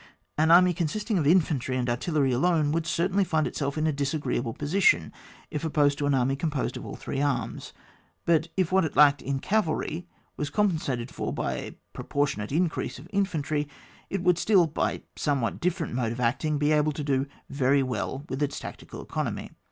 An army consisting of infantry and artillery alone, would certainly find itself in a disagreeable position if opposed to an army composed of all three arms ; but if what it lacked in cavalry was compen sated for by a proportionate increase of infantry, it would still, by a somewhat different mode of acting, be able to do very well with its tactical economy.